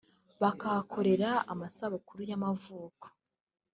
bakahakorera amasabukuru y’amavuko